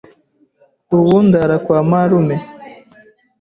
Ubu ndara kwa marume.